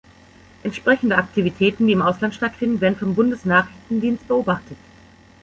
Entsprechende Aktivitäten, die im Ausland stattfinden, werden vom Bundesnachrichtendienst beobachtet.